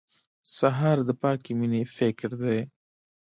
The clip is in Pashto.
سهار د پاکې مېنې فکر دی.